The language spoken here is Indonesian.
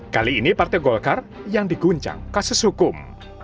kali ini partai golkar yang diguncang kasus hukum